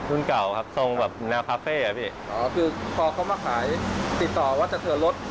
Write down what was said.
รุ่นเก่าครับทรงแบบแนวคาเฟ่อ่ะพี่อ๋อคือพอเขามาขายติดต่อว่าจะเทิร์นรถ